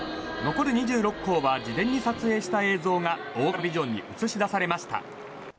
残る２６校は事前に撮影した映像が大型ビジョンに映し出されました。